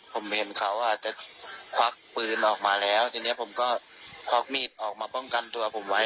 ผมเห็นเขาอาจจะควักปืนออกมาแล้วทีนี้ผมก็ควักมีดออกมาป้องกันตัวผมไว้